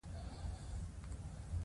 جهل لرل هم د ناپوهۍ نښه ده.